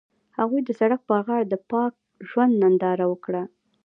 هغوی د سړک پر غاړه د پاک ژوند ننداره وکړه.